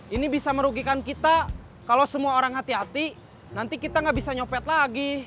ini bisa merugikan kita kalau semua orang hati hati nanti kita nggak bisa nyopet lagi